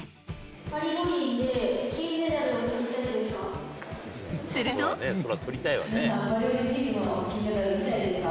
パリ五輪で金メダルをとりたいですか？